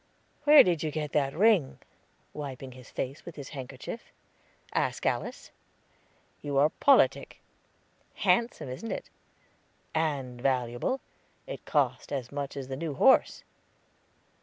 "Where did you get that ring?" wiping his face with his handkerchief. "Ask Alice." "You are politic." "Handsome, isn't it?" "And valuable; it cost as much as the new horse."